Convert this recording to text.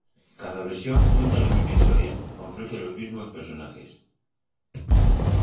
Cada versión cuenta la misma historia, ofrece los mismos personajes.